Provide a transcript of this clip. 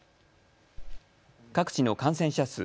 各地の感染者数。